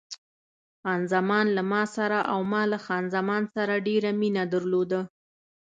خان زمان له ما سره او ما له خان زمان سره ډېره مینه درلوده.